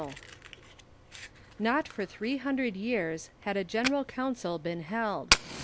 Y., 1875).] Not for three hundred years had a General Council been held.